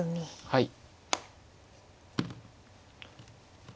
はい。